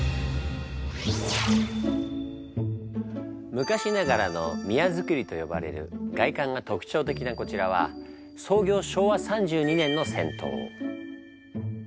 昔ながらの宮造りと呼ばれる外観が特徴的なこちらは創業昭和３２年の銭湯。